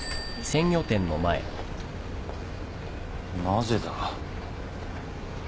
なぜだ？